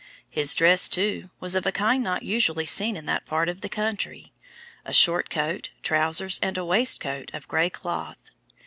His dress, too, was of a kind not usually seen in that part of the country; a short coat, trousers and a waistcoat of grey cloth.